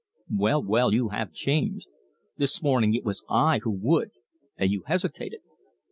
"Well, well, you have changed. This morning it was I who would, and you hesitated."